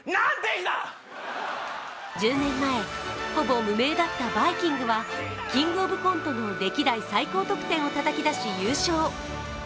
１０年前、ほぼ無名だったバイきんぐは「キングオブコント」の歴代最高得点をたたきだし、優勝。